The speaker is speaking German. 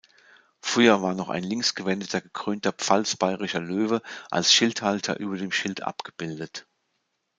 Früher war noch ein linksgewendeter, gekrönter pfalz-bayerischer Löwe als Schildhalter über dem Schild abgebildet.